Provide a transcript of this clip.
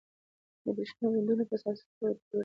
د بریښنا بندونه په اساسي توګه جوړیږي.